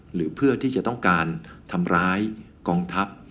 หรือเพื่อที่จะต้องการทำร้ายกองทัพ